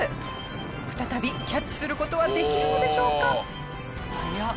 再びキャッチする事はできるのでしょうか？